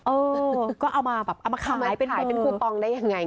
เออก็เอามาแบบเอามาขายเป็นขายเป็นคูปองได้ยังไง